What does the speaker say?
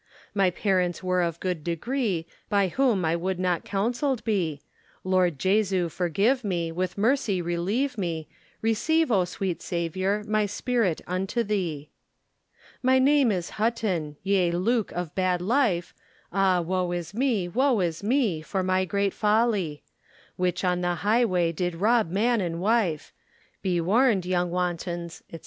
My parents were of good degree, By whom I would not counselled be. Lord Jesu forgive me, with mercy releeve me, Receive, O sweet Saviour, my spirit unto thee. My name is Hutton, yea Luke of bad life, Ah woe is me, woe is me, for my great folly! Which on the high way did rob man and wife, Be warned yong wantons, &c.